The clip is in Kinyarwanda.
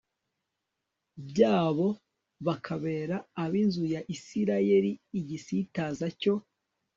byabo bakabera ab inzu ya Isirayeli igisitaza cyo